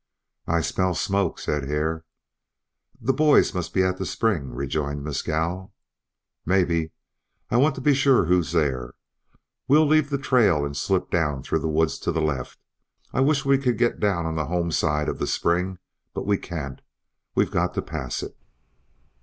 "I smell smoke," said Hare. "The boys must be at the spring," rejoined Mescal. "Maybe. I want to be sure who's there. We'll leave the trail and slip down through the woods to the left. I wish we could get down on the home side of the spring. But we can't; we've got to pass it."